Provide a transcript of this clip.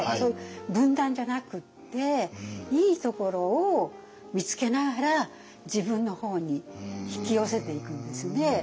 分断じゃなくっていいところを見つけながら自分の方に引き寄せていくんですね。